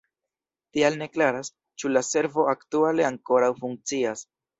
Tial ne klaras, ĉu la servo aktuale ankoraŭ funkcias.